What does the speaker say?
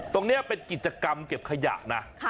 ตรงนี้เป็นกิจกรรมเก็บขยะนะ